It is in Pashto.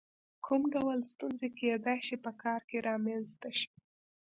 کوم ډول ستونزې کېدای شي په کار کې رامنځته شي؟